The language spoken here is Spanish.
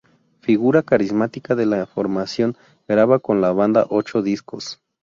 Figura carismática de la formación, graba con la banda ocho discos.